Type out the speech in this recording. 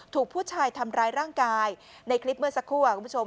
ถูกผู้ชายทำร้ายร่างกายในคลิปเมื่อสักครู่คุณผู้ชม